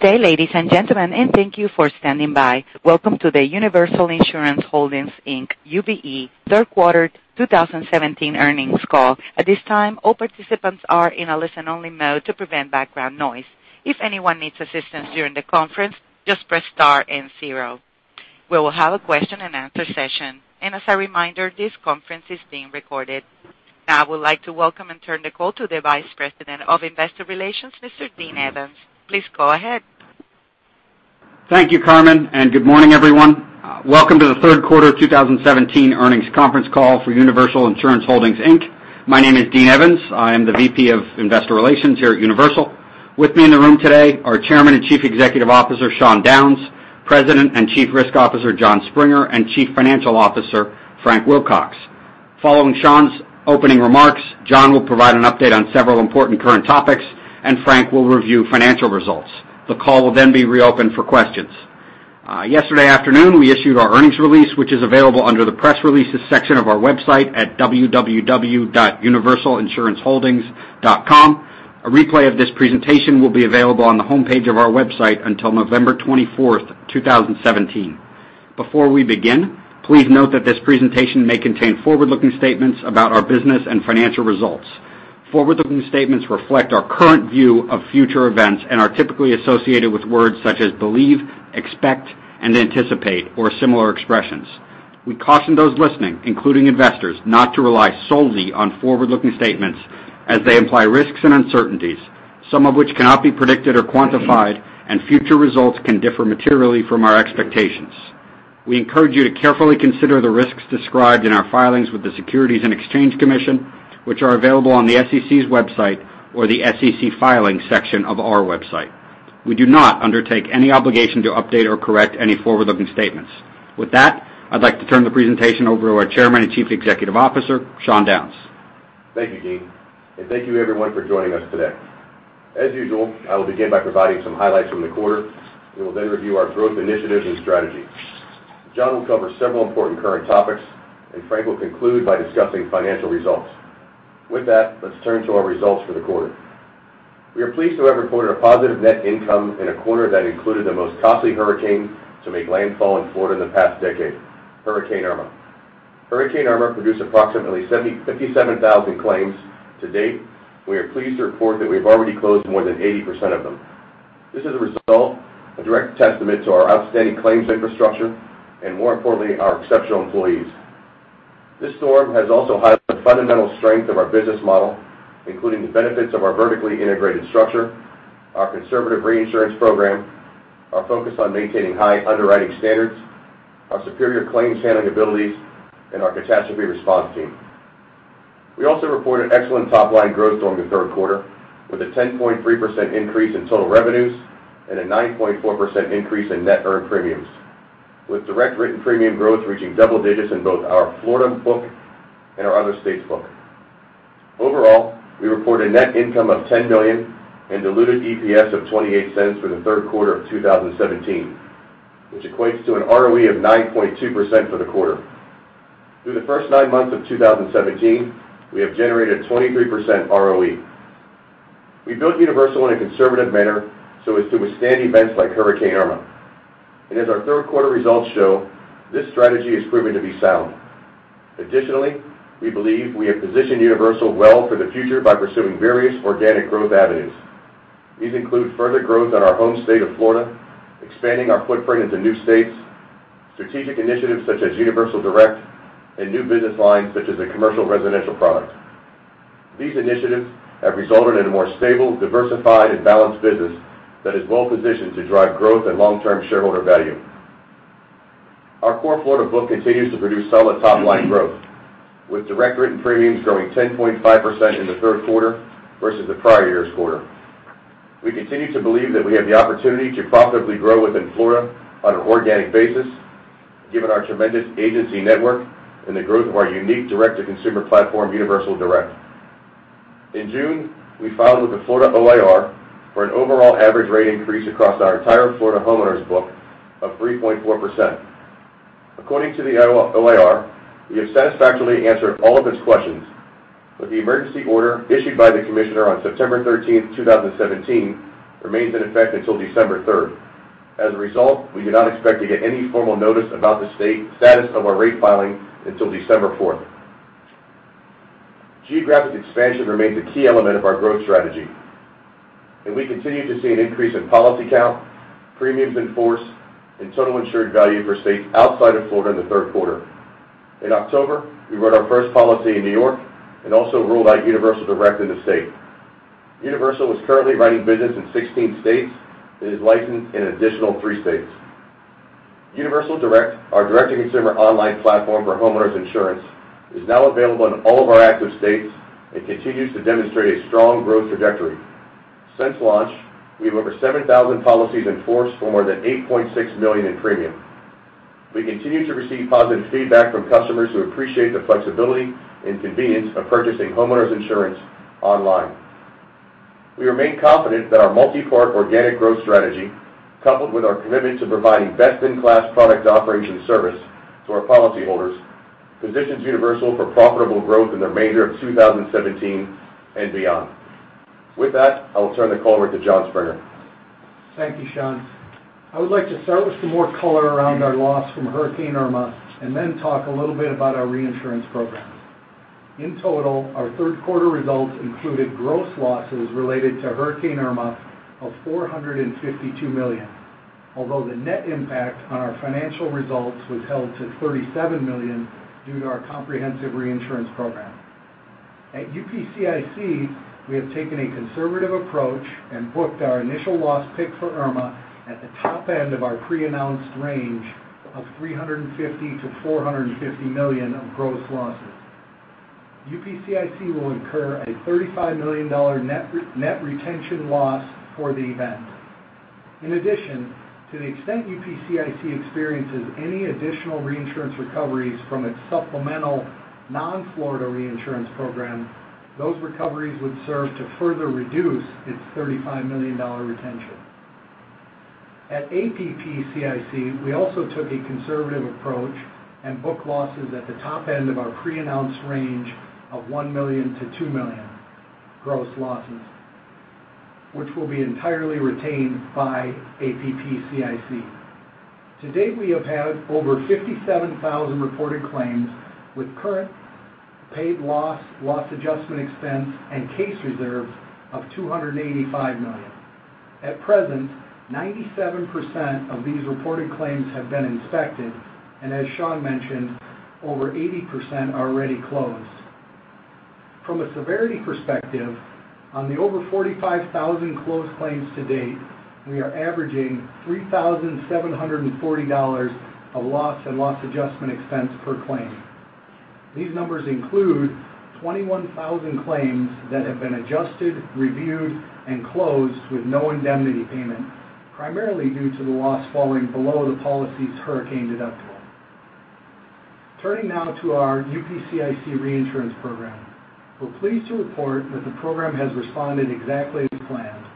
Good day, ladies and gentlemen, and thank you for standing by. Welcome to the Universal Insurance Holdings, Inc., UVE, third quarter 2017 earnings call. At this time, all participants are in a listen-only mode to prevent background noise. If anyone needs assistance during the conference, just press star and zero. We will have a question and answer session. As a reminder, this conference is being recorded. Now I would like to welcome and turn the call to the Vice President of Investor Relations, Dean Evans. Please go ahead. Thank you, Carmen, and good morning, everyone. Welcome to the third quarter 2017 earnings conference call for Universal Insurance Holdings, Inc. My name is Dean Evans. I am the VP of Investor Relations here at Universal. With me in the room today are Chairman and Chief Executive Officer, Sean Downes, President and Chief Risk Officer, Jon Springer, and Chief Financial Officer, Frank Wilcox. Following Sean's opening remarks, Jon will provide an update on several important current topics, and Frank will review financial results. The call will then be reopened for questions. Yesterday afternoon, we issued our earnings release, which is available under the Press Releases section of our website at www.universalinsuranceholdings.com. A replay of this presentation will be available on the homepage of our website until November 24, 2017. Before we begin, please note that this presentation may contain forward-looking statements about our business and financial results. Forward-looking statements reflect our current view of future events and are typically associated with words such as believe, expect, and anticipate, or similar expressions. We caution those listening, including investors, not to rely solely on forward-looking statements as they imply risks and uncertainties, some of which cannot be predicted or quantified, and future results can differ materially from our expectations. We encourage you to carefully consider the risks described in our filings with the Securities and Exchange Commission, which are available on the SEC's website or the SEC Filings section of our website. We do not undertake any obligation to update or correct any forward-looking statements. With that, I'd like to turn the presentation over to our Chairman and Chief Executive Officer, Sean Downes. Thank you, Dean. Thank you, everyone, for joining us today. As usual, I will begin by providing some highlights from the quarter. We will then review our growth initiatives and strategy. Jon will cover several important current topics, and Frank will conclude by discussing financial results. With that, let's turn to our results for the quarter. We are pleased to have reported a positive net income in a quarter that included the most costly hurricane to make landfall in Florida in the past decade, Hurricane Irma. Hurricane Irma produced approximately 57,000 claims to date. We are pleased to report that we've already closed more than 80% of them. This is a result, a direct testament to our outstanding claims infrastructure, and more importantly, our exceptional employees. This storm has also highlighted the fundamental strength of our business model, including the benefits of our vertically integrated structure, our conservative reinsurance program, our focus on maintaining high underwriting standards, our superior claims handling abilities, and our catastrophe response team. We also reported excellent top-line growth during the third quarter, with a 10.3% increase in total revenues and a 9.4% increase in net earned premiums, with direct written premium growth reaching double digits in both our Florida book and our other states book. Overall, we report a net income of $10 million and diluted EPS of $0.28 for the third quarter of 2017, which equates to an ROE of 9.2% for the quarter. Through the first nine months of 2017, we have generated a 23% ROE. We built Universal in a conservative manner so as to withstand events like Hurricane Irma. As our third quarter results show, this strategy has proven to be sound. Additionally, we believe we have positioned Universal well for the future by pursuing various organic growth avenues. These include further growth in our home state of Florida, expanding our footprint into new states, strategic initiatives such as Universal Direct, and new business lines such as a commercial residential product. These initiatives have resulted in a more stable, diversified, and balanced business that is well-positioned to drive growth and long-term shareholder value. Our core Florida book continues to produce solid top-line growth, with direct written premiums growing 10.5% in the third quarter versus the prior year's quarter. We continue to believe that we have the opportunity to profitably grow within Florida on an organic basis, given our tremendous agency network and the growth of our unique direct-to-consumer platform, Universal Direct. In June, we filed with the Florida OIR for an overall average rate increase across our entire Florida homeowners book of 3.4%. According to the OIR, we have satisfactorily answered all of its questions but the emergency order issued by the commissioner on September 13th, 2017, remains in effect until December 3rd. As a result, we do not expect to get any formal notice about the status of our rate filing until December 4th. Geographic expansion remains a key element of our growth strategy, and we continue to see an increase in policy count, premiums enforced, and total insured value for states outside of Florida in the third quarter. In October, we wrote our first policy in New York and also rolled out Universal Direct in the state. Universal is currently writing business in 16 states and is licensed in an additional three states. Universal Direct, our direct-to-consumer online platform for homeowners insurance, is now available in all of our active states and continues to demonstrate a strong growth trajectory. Since launch, we have over 7,000 policies in force for more than $8.6 million in premium. We continue to receive positive feedback from customers who appreciate the flexibility and convenience of purchasing homeowners insurance online. We remain confident that our multi-part organic growth strategy, coupled with our commitment to providing best-in-class product operation service to our policyholders positions Universal for profitable growth in the remainder of 2017 and beyond. With that, I will turn the call over to Jon Springer. Thank you, Sean. I would like to start with some more color around our loss from Hurricane Irma, and then talk a little bit about our reinsurance programs. In total, our third quarter results included gross losses related to Hurricane Irma of $452 million. Although the net impact on our financial results was held to $37 million due to our comprehensive reinsurance program. At UPCIC, we have taken a conservative approach and booked our initial loss pick for Irma at the top end of our pre-announced range of $350 million-$450 million of gross losses. UPCIC will incur a $35 million net retention loss for the event. In addition, to the extent UPCIC experiences any additional reinsurance recoveries from its supplemental non-Florida reinsurance program, those recoveries would serve to further reduce its $35 million retention. At APPCIC, we also took a conservative approach and book losses at the top end of our pre-announced range of $1 million-$2 million, gross losses, which will be entirely retained by APPCIC. To date, we have had over 57,000 reported claims, with current paid loss adjustment expense, and case reserves of $285 million. At present, 97% of these reported claims have been inspected, and as Sean mentioned, over 80% are already closed. From a severity perspective, on the over 45,000 closed claims to date, we are averaging $3,740 of loss and loss adjustment expense per claim. These numbers include 21,000 claims that have been adjusted, reviewed, and closed with no indemnity payment, primarily due to the loss falling below the policy's hurricane deductible. Turning now to our UPCIC reinsurance program. We are pleased to report that the program has responded exactly as planned.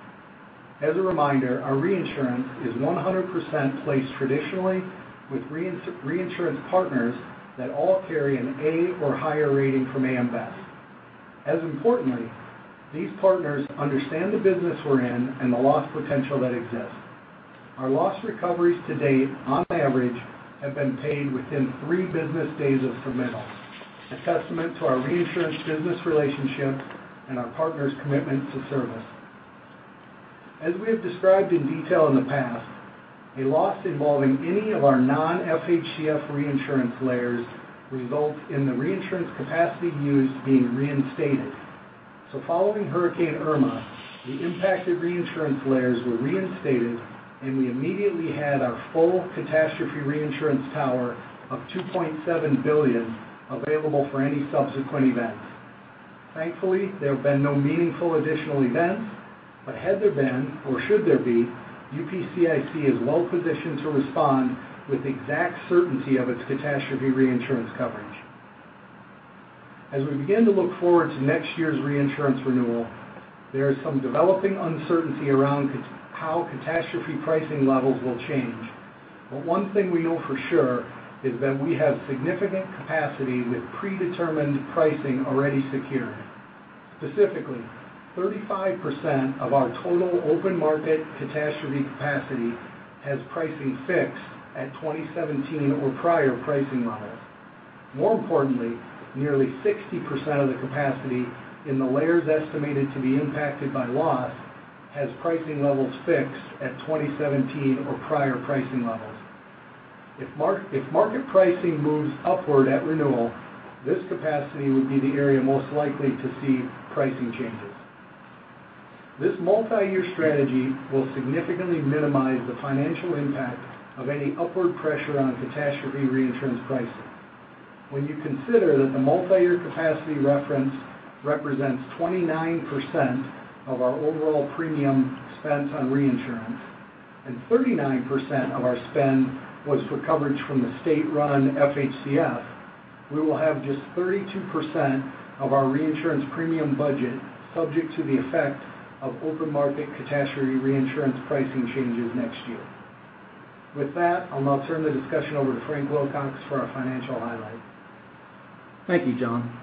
As a reminder, our reinsurance is 100% placed traditionally with reinsurance partners that all carry an A or higher rating from AM Best. As importantly, these partners understand the business we are in and the loss potential that exists. Our loss recoveries to date, on average, have been paid within three business days of submittal, a testament to our reinsurance business relationship and our partners' commitment to service. As we have described in detail in the past, a loss involving any of our non-FHCF reinsurance layers results in the reinsurance capacity used being reinstated. Following Hurricane Irma, the impacted reinsurance layers were reinstated, and we immediately had our full catastrophe reinsurance tower of $2.7 billion available for any subsequent events. Thankfully, there have been no meaningful additional events, but had there been, or should there be, UPCIC is well-positioned to respond with the exact certainty of its catastrophe reinsurance coverage. As we begin to look forward to next year's reinsurance renewal, there is some developing uncertainty around how catastrophe pricing levels will change. One thing we know for sure is that we have significant capacity with predetermined pricing already secured. Specifically, 35% of our total open market catastrophe capacity has pricing fixed at 2017 or prior pricing models. More importantly, nearly 60% of the capacity in the layers estimated to be impacted by loss has pricing levels fixed at 2017 or prior pricing levels. If market pricing moves upward at renewal, this capacity would be the area most likely to see pricing changes. This multi-year strategy will significantly minimize the financial impact of any upward pressure on catastrophe reinsurance pricing. When you consider that the multi-year capacity reference represents 29% of our overall premium spent on reinsurance and 39% of our spend was for coverage from the state-run FHCF, we will have just 32% of our reinsurance premium budget subject to the effect of open market catastrophe reinsurance pricing changes next year. With that, I'll now turn the discussion over to Frank Wilcox for our financial highlights. Thank you, Jon.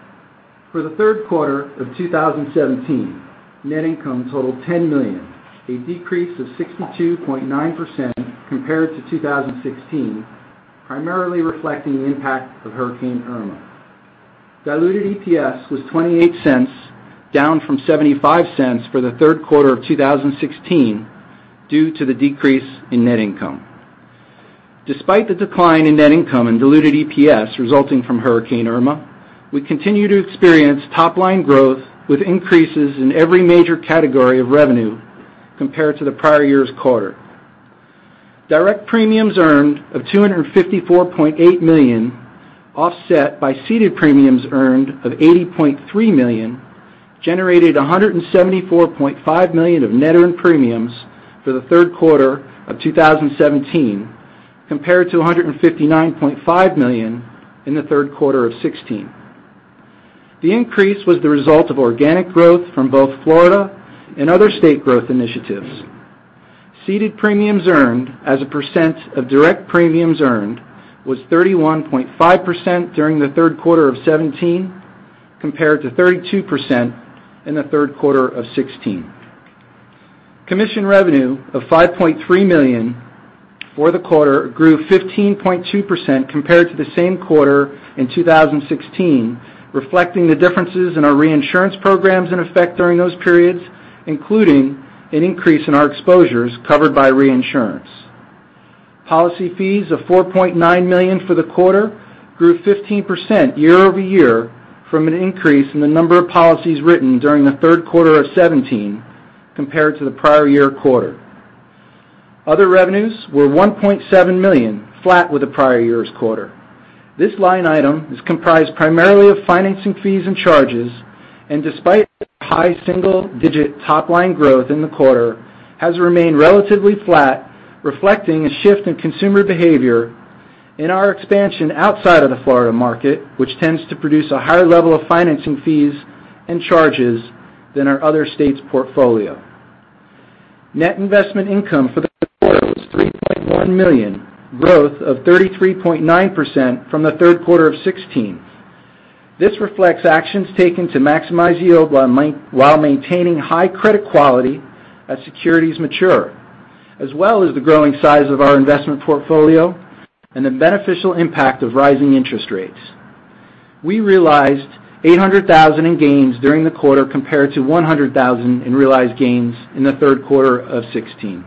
For the third quarter of 2017, net income totaled $10 million, a decrease of 62.9% compared to 2016, primarily reflecting the impact of Hurricane Irma. Diluted EPS was $0.28, down from $0.75 for the third quarter of 2016 due to the decrease in net income. Despite the decline in net income and diluted EPS resulting from Hurricane Irma, we continue to experience top-line growth with increases in every major category of revenue compared to the prior year's quarter. Direct premiums earned of $254.8 million offset by ceded premiums earned of $80.3 million generated $174.5 million of net earned premiums for the third quarter of 2017 compared to $159.5 million in the third quarter of 2016. The increase was the result of organic growth from both Florida and other state growth initiatives. Ceded premiums earned as a percent of direct premiums earned was 31.5% during the third quarter of 2017, compared to 32% in the third quarter of 2016. Commission revenue of $5.3 million for the quarter grew 15.2% compared to the same quarter in 2016, reflecting the differences in our reinsurance programs in effect during those periods, including an increase in our exposures covered by reinsurance. Policy fees of $4.9 million for the quarter grew 15% year-over-year from an increase in the number of policies written during the third quarter of 2017 compared to the prior year quarter. Other revenues were $1.7 million, flat with the prior year's quarter. This line item is comprised primarily of financing fees and charges, and despite high single-digit top-line growth in the quarter, has remained relatively flat, reflecting a shift in consumer behavior in our expansion outside of the Florida market, which tends to produce a higher level of financing fees and charges than our other states' portfolio. Net investment income for the quarter was $3.1 million, growth of 33.9% from the third quarter of 2016. This reflects actions taken to maximize yield while maintaining high credit quality as securities mature, as well as the growing size of our investment portfolio and the beneficial impact of rising interest rates. We realized $800,000 in gains during the quarter compared to $100,000 in realized gains in the third quarter of 2016.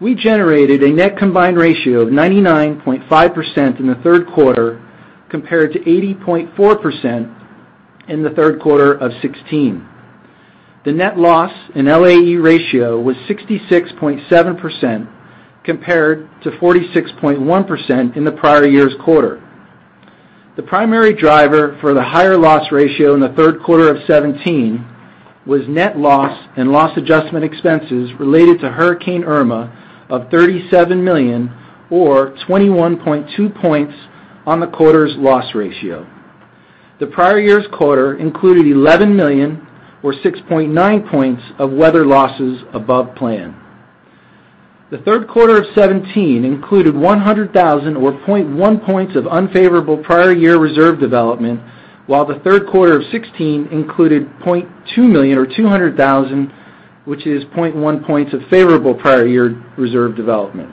We generated a net combined ratio of 99.5% in the third quarter compared to 80.4% in the third quarter of 2016. The net loss and LAE ratio was 66.7% compared to 46.1% in the prior year's quarter. The primary driver for the higher loss ratio in the third quarter of 2017 was net loss and loss adjustment expenses related to Hurricane Irma of $37 million or 21.2 points on the quarter's loss ratio. The prior year's quarter included $11 million or 6.9 points of weather losses above plan. The third quarter of 2017 included $100,000 or 0.1 points of unfavorable prior year reserve development, while the third quarter of 2016 included $0.2 million or $200,000, which is 0.1 points of favorable prior year reserve development.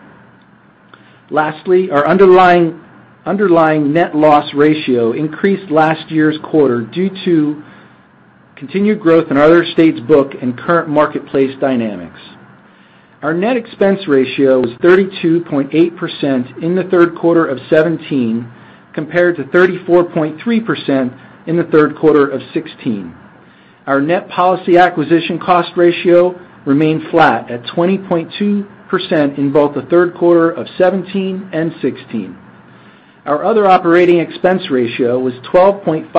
Lastly, our underlying net loss ratio increased last year's quarter due to continued growth in our other states book and current marketplace dynamics. Our net expense ratio was 32.8% in the third quarter of 2017, compared to 34.3% in the third quarter of 2016. Our net policy acquisition cost ratio remained flat at 20.2% in both the third quarter of 2017 and 2016. Our other operating expense ratio was 12.5%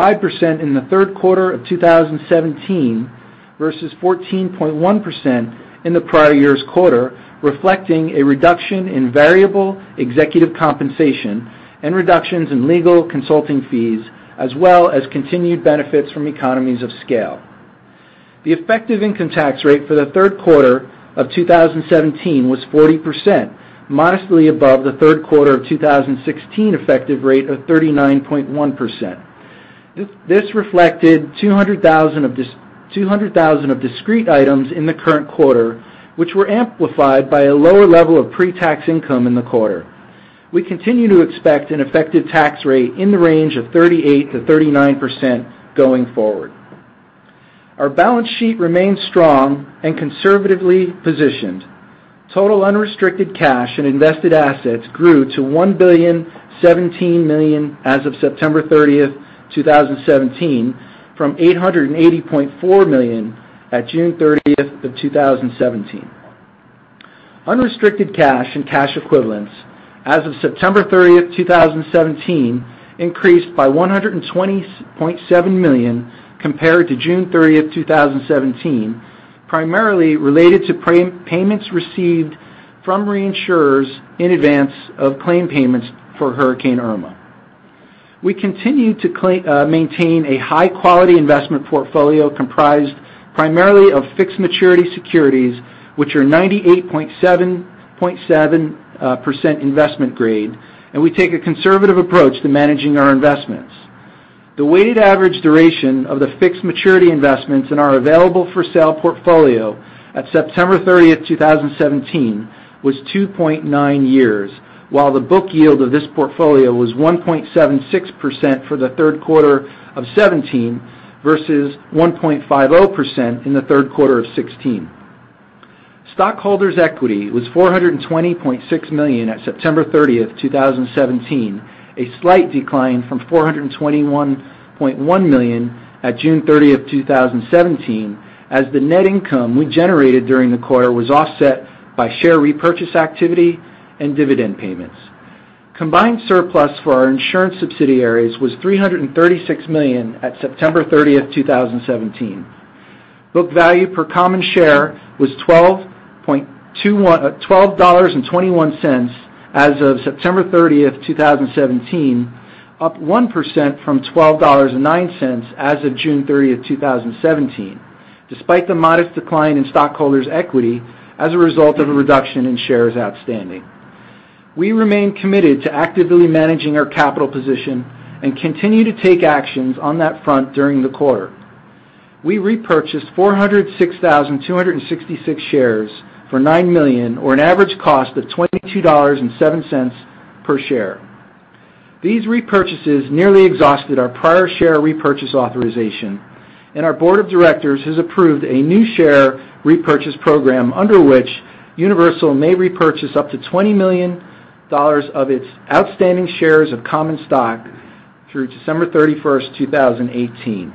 in the third quarter of 2017 versus 14.1% in the prior year's quarter, reflecting a reduction in variable executive compensation and reductions in legal consulting fees, as well as continued benefits from economies of scale. The effective income tax rate for the third quarter of 2017 was 40%, modestly above the third quarter of 2016 effective rate of 39.1%. This reflected $200,000 of discrete items in the current quarter, which were amplified by a lower level of pre-tax income in the quarter. We continue to expect an effective tax rate in the range of 38%-39% going forward. Our balance sheet remains strong and conservatively positioned. Total unrestricted cash and invested assets grew to $1,017 million as of September 30th, 2017, from $880.4 million at June 30th, 2017. Unrestricted cash and cash equivalents as of September 30th, 2017, increased by $120.7 million compared to June 30th, 2017, primarily related to payments received from reinsurers in advance of claim payments for Hurricane Irma. We continue to maintain a high-quality investment portfolio comprised primarily of fixed maturity securities, which are 98.7% investment grade, and we take a conservative approach to managing our investments. The weighted average duration of the fixed maturity investments in our available for sale portfolio at September 30th, 2017, was 2.9 years, while the book yield of this portfolio was 1.76% for the third quarter of 2017 versus 1.50% in the third quarter of 2016. Stockholders' equity was $420.6 million at September 30th, 2017, a slight decline from $421.1 million at June 30th, 2017, as the net income we generated during the quarter was offset by share repurchase activity and dividend payments. Combined surplus for our insurance subsidiaries was $336 million at September 30th, 2017. Book value per common share was $12.21 as of September 30th, 2017, up 1% from $12.09 as of June 30th, 2017, despite the modest decline in stockholders' equity as a result of a reduction in shares outstanding. We remain committed to actively managing our capital position and continue to take actions on that front during the quarter. We repurchased 406,266 shares for $9 million, or an average cost of $22.07 per share. These repurchases nearly exhausted our prior share repurchase authorization, and our board of directors has approved a new share repurchase program under which Universal may repurchase up to $20 million of its outstanding shares of common stock through December 31st, 2018.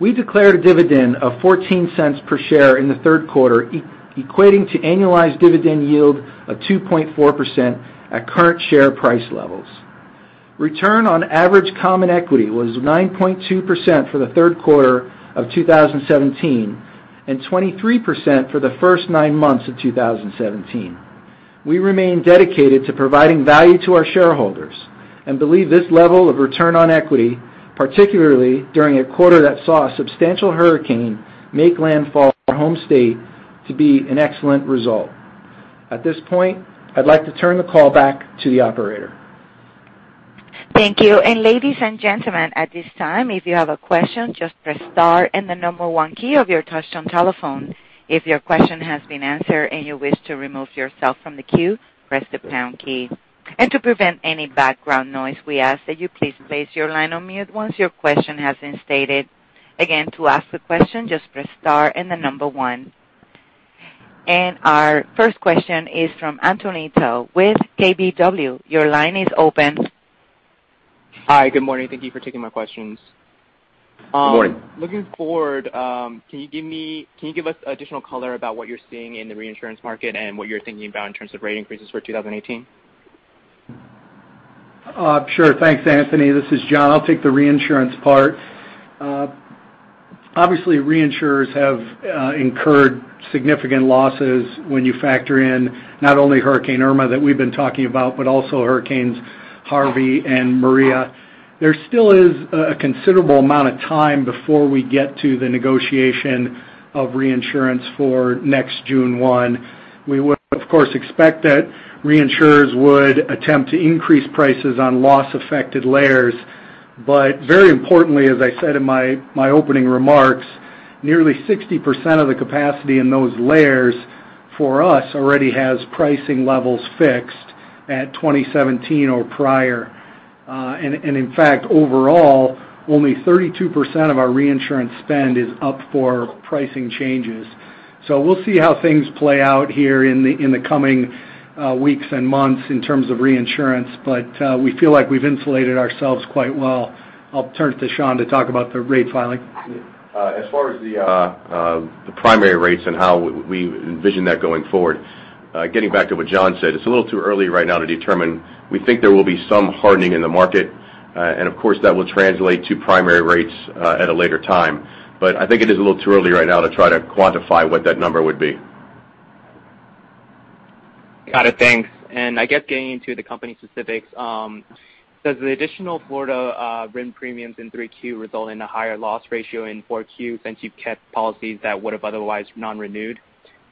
We declared a dividend of $0.14 per share in the third quarter, equating to annualized dividend yield of 2.4% at current share price levels. Return on average common equity was 9.2% for the third quarter of 2017 and 23% for the first nine months of 2017. We remain dedicated to providing value to our shareholders and believe this level of return on equity, particularly during a quarter that saw a substantial hurricane make landfall in our home state, to be an excellent result. At this point, I'd like to turn the call back to the operator. Thank you. Ladies and gentlemen, at this time, if you have a question, just press star and the number 1 key of your touchtone telephone. If your question has been answered and you wish to remove yourself from the queue, press the pound key. To prevent any background noise, we ask that you please place your line on mute once your question has been stated. Again, to ask the question, just press star and the number 1. Our first question is from Anthony Tau with KBW. Your line is open. Hi, good morning. Thank you for taking my questions. Good morning. Looking forward, can you give us additional color about what you're seeing in the reinsurance market and what you're thinking about in terms of rate increases for 2018? Sure. Thanks, Anthony. This is Jon. I'll take the reinsurance part. Obviously, reinsurers have incurred significant losses when you factor in not only Hurricane Irma that we've been talking about, but also hurricanes Harvey and Maria. There still is a considerable amount of time before we get to the negotiation of reinsurance for next June 1. We would, of course, expect that reinsurers would attempt to increase prices on loss-affected layers. Very importantly, as I said in my opening remarks, nearly 60% of the capacity in those layers for us already has pricing levels fixed at 2017 or prior. In fact, overall, only 32% of our reinsurance spend is up for pricing changes. We'll see how things play out here in the coming weeks and months in terms of reinsurance, but we feel like we've insulated ourselves quite well. I'll turn it to Sean to talk about the rate filing. As far as the primary rates and how we envision that going forward, getting back to what Jon said, it's a little too early right now to determine. We think there will be some hardening in the market, and of course, that will translate to primary rates at a later time. I think it is a little too early right now to try to quantify what that number would be. Got it. Thanks. I guess getting into the company specifics, does the additional Florida RIN premiums in Q3 result in a higher loss ratio in Q4 since you've kept policies that would have otherwise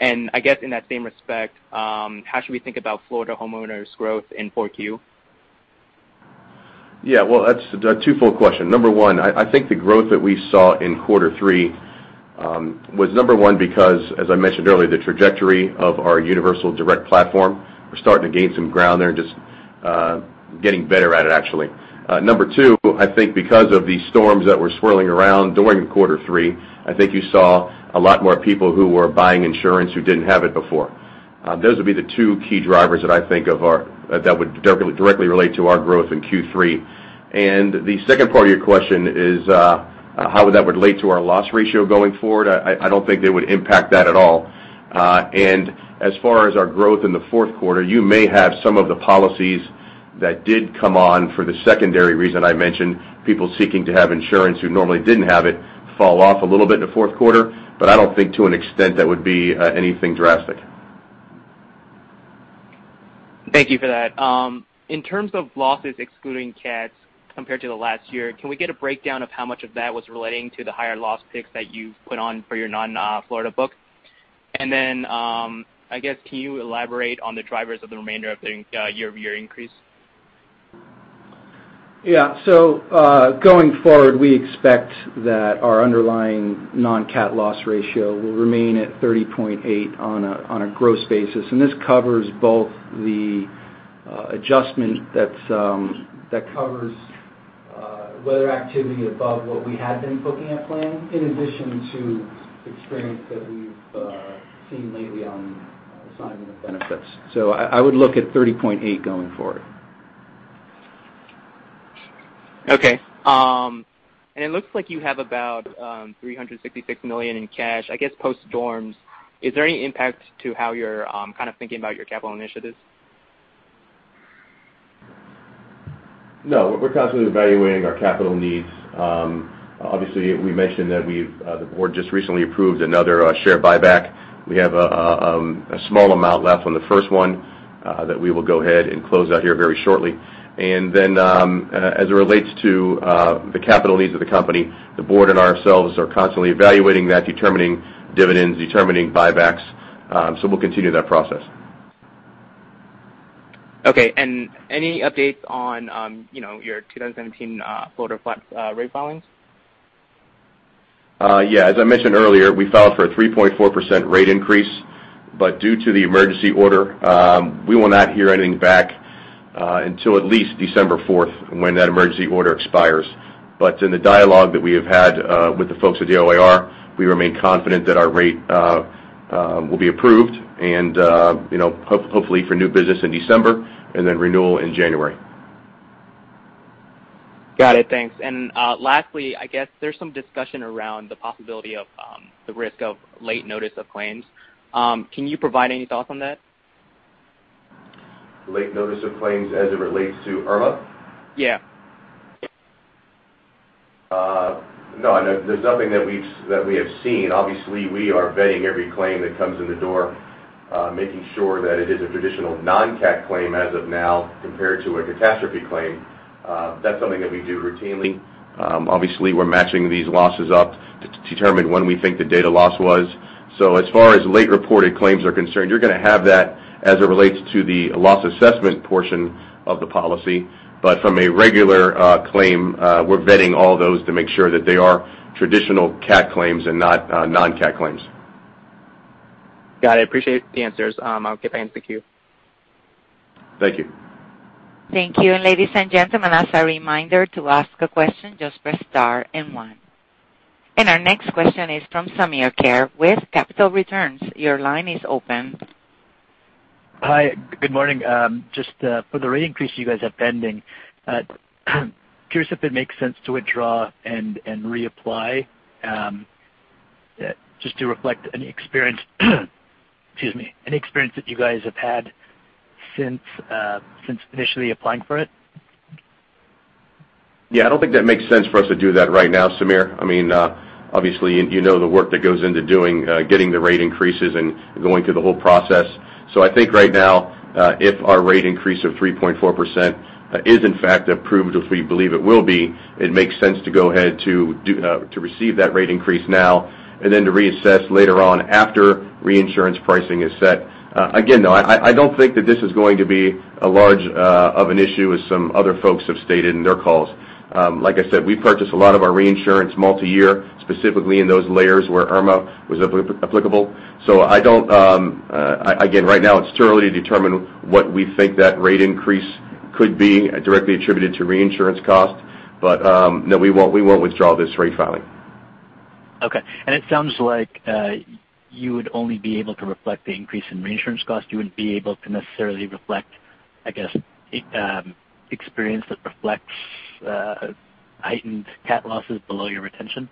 non-renewed? I guess in that same respect, how should we think about Florida homeowners' growth in Q4? Yeah, well, that's a twofold question. Number one, I think the growth that we saw in Q3 was, number one, because as I mentioned earlier, the trajectory of our Universal Direct platform. We're starting to gain some ground there and just getting better at it, actually. Number two, I think because of the storms that were swirling around during Q3, I think you saw a lot more people who were buying insurance who didn't have it before. Those would be the two key drivers that I think that would directly relate to our growth in Q3. The second part of your question is how would that relate to our loss ratio going forward? I don't think that would impact that at all. As far as our growth in Q4, you may have some of the policies that did come on for the secondary reason I mentioned, people seeking to have insurance who normally didn't have it fall off a little bit in Q4, I don't think to an extent that would be anything drastic. Thank you for that. In terms of losses excluding cats compared to the last year, can we get a breakdown of how much of that was relating to the higher loss picks that you've put on for your non-Florida book? Then, I guess, can you elaborate on the drivers of the remainder of the year-over-year increase? Going forward, we expect that our underlying non-cat loss ratio will remain at 30.8 on a gross basis, and this covers both the adjustment that covers weather activity above what we had been booking at plan, in addition to experience that we've seen lately on assignment of benefits. I would look at 30.8 going forward. It looks like you have about $366 million in cash, I guess post-storms. Is there any impact to how you're kind of thinking about your capital initiatives? No, we're constantly evaluating our capital needs. Obviously, we mentioned that the board just recently approved another share buyback. We have a small amount left on the first one that we will go ahead and close out here very shortly. As it relates to the capital needs of the company, the board and ourselves are constantly evaluating that, determining dividends, determining buybacks. We'll continue that process. Any updates on your 2017 Florida Flex rate filings? Yeah. As I mentioned earlier, we filed for a 3.4% rate increase, due to the emergency order, we will not hear anything back until at least December 4th when that emergency order expires. In the dialogue that we have had with the folks at the OIR, we remain confident that our rate will be approved and hopefully for new business in December and then renewal in January. Got it. Thanks. Lastly, I guess there's some discussion around the possibility of the risk of late notice of claims. Can you provide any thoughts on that? Late notice of claims as it relates to Irma? Yeah. No, there's nothing that we have seen. Obviously, we are vetting every claim that comes in the door, making sure that it is a traditional non-cat claim as of now compared to a catastrophe claim. That's something that we do routinely. Obviously, we're matching these losses up to determine when we think the data loss was. As far as late reported claims are concerned, you're going to have that as it relates to the loss assessment portion of the policy. From a regular claim, we're vetting all those to make sure that they are traditional cat claims and not non-cat claims. Got it. Appreciate the answers. I'll get back in the queue. Thank you. Thank you. Ladies and gentlemen, as a reminder, to ask a question, just press star and one. Our next question is from Samir Khare with Capital Returns. Your line is open. Hi, good morning. Just for the rate increase you guys have pending, curious if it makes sense to withdraw and reapply just to reflect any experience that you guys have had since initially applying for it? I don't think that makes sense for us to do that right now, Samir. Obviously, you know the work that goes into getting the rate increases and going through the whole process. I think right now, if our rate increase of 3.4% is in fact approved as we believe it will be, it makes sense to go ahead to receive that rate increase now and then to reassess later on after reinsurance pricing is set. Again, though, I don't think that this is going to be as large of an issue as some other folks have stated in their calls. Like I said, we purchase a lot of our reinsurance multi-year, specifically in those layers where Irma was applicable. Again, right now it's too early to determine what we think that rate increase could be directly attributed to reinsurance costs. No, we won't withdraw this rate filing. Okay. It sounds like you would only be able to reflect the increase in reinsurance cost. You wouldn't be able to necessarily reflect, I guess, experience that reflects heightened cat losses below your retention?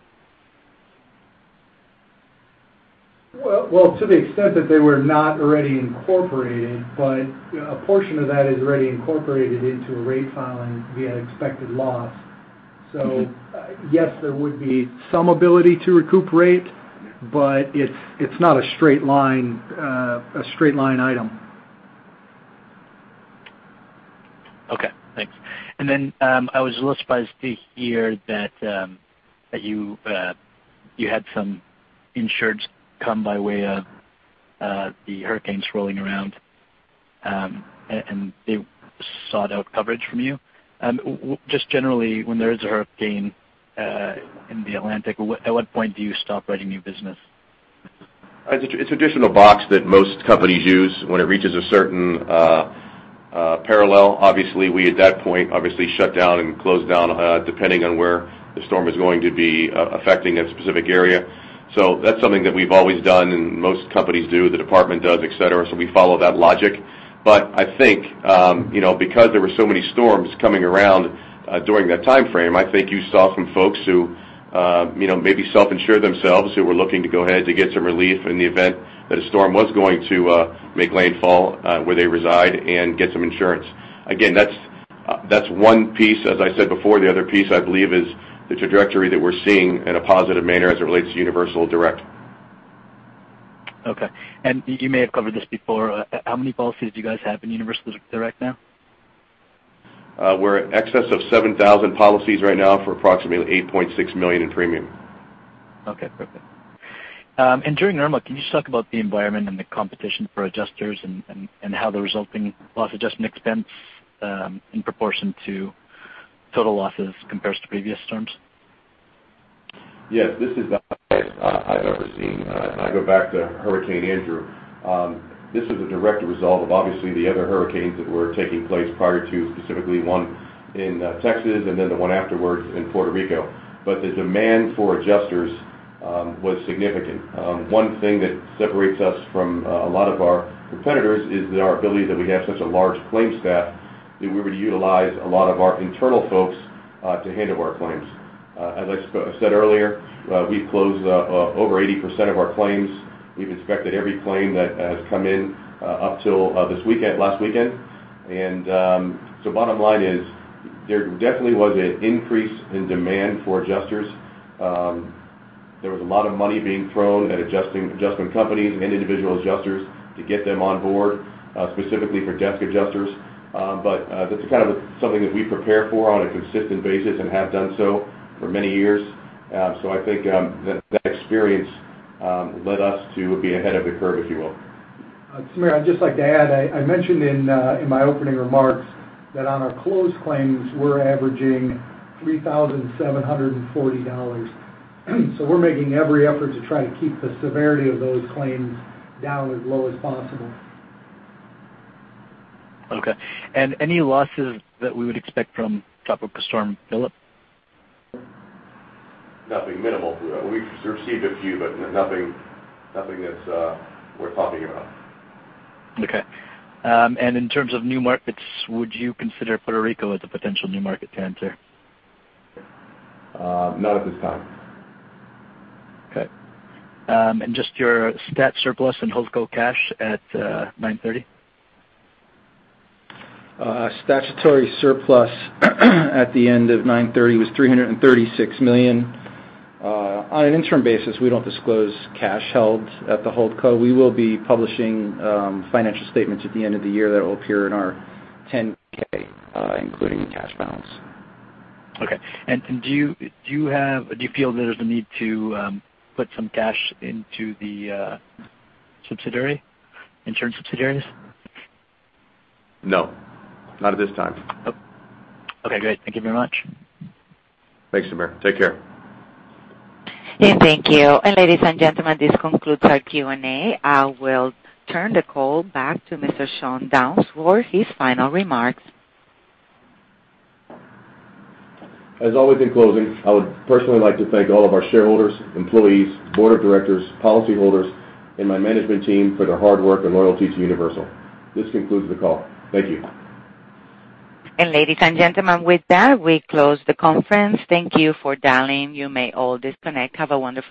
Well, to the extent that they were not already incorporated, but a portion of that is already incorporated into a rate filing via expected loss. Yes, there would be some ability to recuperate, but it's not a straight line item. Okay, thanks. I was a little surprised to hear that you had some insureds come by way of the hurricanes rolling around, and they sought out coverage from you. Generally, when there is a hurricane in the Atlantic, at what point do you stop writing new business? It's a traditional box that most companies use when it reaches a certain parallel. Obviously, we at that point shut down and close down depending on where the storm is going to be affecting a specific area. That's something that we've always done and most companies do, the department does, et cetera, so we follow that logic. I think because there were so many storms coming around during that timeframe, I think you saw some folks who maybe self-insured themselves who were looking to go ahead to get some relief in the event that a storm was going to make landfall where they reside and get some insurance. Again, that's one piece. As I said before, the other piece, I believe, is the trajectory that we're seeing in a positive manner as it relates to Universal Direct. Okay. You may have covered this before. How many policies do you guys have in Universal Direct now? We're in excess of 7,000 policies right now for approximately $8.6 million in premium. Okay, perfect. During Irma, can you just talk about the environment and the competition for adjusters and how the resulting loss adjustment expense in proportion to total losses compares to previous terms? Yes, this is the highest I've ever seen. I go back to Hurricane Andrew. This was a direct result of obviously the other hurricanes that were taking place prior to specifically one in Texas and then the one afterwards in Puerto Rico. The demand for adjusters was significant. One thing that separates us from a lot of our competitors is our ability that we have such a large claim staff that we were to utilize a lot of our internal folks to handle our claims. As I said earlier, we've closed over 80% of our claims. We've inspected every claim that has come in up till last weekend. Bottom line is there definitely was an increase in demand for adjusters. There was a lot of money being thrown at adjustment companies and individual adjusters to get them on board, specifically for desk adjusters. That's kind of something that we prepare for on a consistent basis and have done so for many years. I think that experience led us to be ahead of the curve, if you will. Samir, I'd just like to add, I mentioned in my opening remarks that on our closed claims, we're averaging $3,740. We're making every effort to try to keep the severity of those claims down as low as possible. Okay. Any losses that we would expect from Tropical Storm Philippe? Nothing minimal. We've received a few, but nothing that's worth talking about. Okay. In terms of new markets, would you consider Puerto Rico as a potential new market to enter? Not at this time. Okay. Just your stat surplus and holdco cash at 9/30? Statutory surplus at the end of 9/30 was $336 million. On an interim basis, we don't disclose cash held at the holdco. We will be publishing financial statements at the end of the year that will appear in our 10-K, including a cash balance. Okay. Do you feel there's a need to put some cash into the insurance subsidiaries? No, not at this time. Okay, great. Thank you very much. Thanks, Samir. Take care. Thank you. Ladies and gentlemen, this concludes our Q&A. I will turn the call back to Mr. Sean Downes for his final remarks. As always, in closing, I would personally like to thank all of our shareholders, employees, board of directors, policyholders, and my management team for their hard work and loyalty to Universal. This concludes the call. Thank you. Ladies and gentlemen, with that, we close the conference. Thank you for dialing. You may all disconnect. Have a wonderful day.